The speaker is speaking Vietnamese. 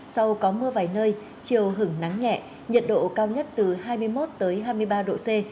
sau có mưa vài nơi chiều hứng nắng nhẹ nhiệt độ cao nhất từ hai mươi một hai mươi ba độ c